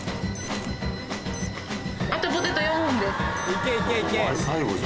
いけいけいけ！